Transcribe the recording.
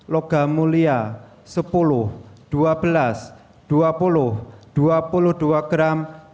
logam mulia sepuluh dua belas dua puluh dua puluh dua gram